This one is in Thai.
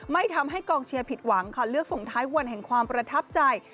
ไม่ทำให้กองเชียร์ผิดหวังค่ะเลือกส่งท้ายวันแห่งความประทับใจ